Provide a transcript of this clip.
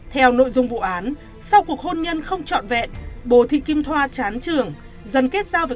theo nội dung vụ án sau cuộc hôn nhân không trọn vẹn bồ thị kim thoa chán trưởng dần kết giao với